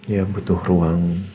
ya butuh ruang